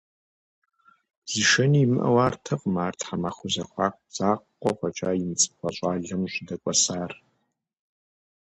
Зышэни имыӏэу артэкъым ар тхьэмахуэ зэхуаку закъуэ фӏэкӏа имыцӏыхуа щӏалэм щӏыдэкӏуэсар.